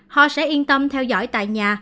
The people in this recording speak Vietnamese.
họ sẽ yên tâm theo dõi tại nhà